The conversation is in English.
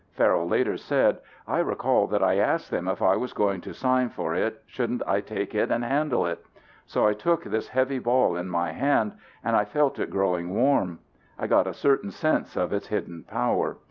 Farrell later said, "I recall that I asked them if I was going to sign for it shouldn't I take it and handle it. So I took this heavy ball in my hand and I felt it growing warm, I got a certain sense of its hidden power.